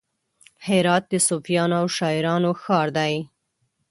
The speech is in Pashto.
هرات د صوفیانو او شاعرانو ښار دی.